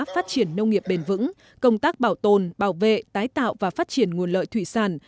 phát triển nông nghiệp bền vững công tác bảo tồn bảo vệ tái tạo và phát triển nguồn lợi thủy sản